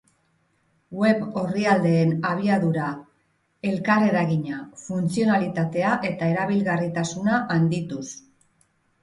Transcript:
Web orrialdeen abiadura, elkarreragina, funtzionalitatea eta erabilgarritasuna handituz.